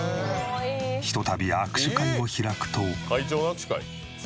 ひとたび握手会を開くと。